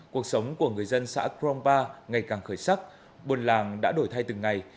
cuộc sống của người dân xã crongpa ngày càng khởi sắc buồn làng đã đổi thay từng ngày